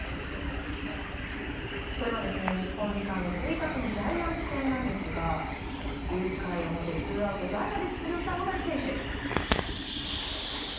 それは日本時間の１日のジャイアンツ戦なんですが９回表、ツーアウト代打で出場した大谷選手。